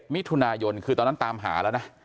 มิถุนายนคือตอนนั้นตามหาแล้วนะ